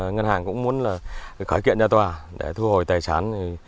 ngân hàng cũng muốn khởi kiện ra tòa để thu hồi tài sản